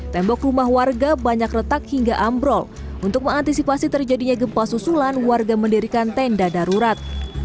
tembok rumah warga banyak retak hingga ambrol untuk mengantisipasi terjadinya gempa susulan warga mendirikan tenda darurat